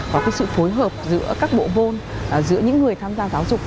có sự phối hợp giữa các bộ vôn giữa những người tham gia giáo dục